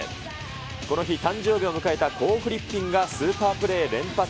この日、誕生日を迎えたコー・フリッピンがスーパープレー連発。